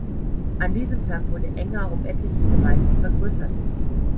An diesem Tag wurde Enger um etliche Gemeinden vergrößert.